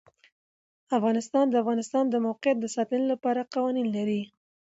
افغانستان د د افغانستان د موقعیت د ساتنې لپاره قوانین لري.